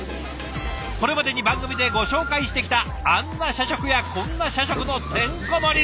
これまでに番組でご紹介してきたあんな社食やこんな社食のてんこ盛り。